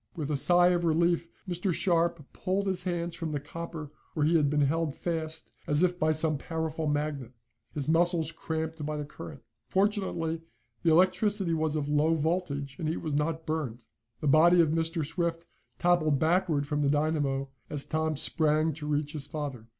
With a sigh of relief Mr. Sharp pulled his hands from the copper where he had been held fast as if by some powerful magnet, his muscles cramped by the current. Fortunately the electricity was of low voltage, and he was not burned. The body of Mr. Swift toppled backward from the dynamo, as Tom sprang to reach his father.